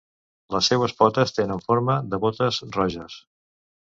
Les seues potes tenen forma de botes roges.